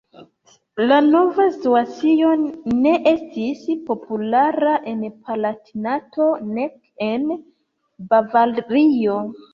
La nova situacio ne estis populara en Palatinato, nek en Bavario.